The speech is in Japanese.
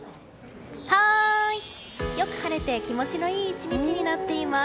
はーい！よく晴れて気持ちのいい１日になっています。